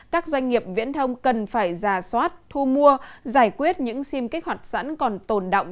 các doanh nghiệp viễn thông cần phải ra soát thu mua giải quyết những sim kích hoạt sẵn còn tồn động